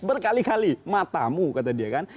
berkali kali matamu kata dia kan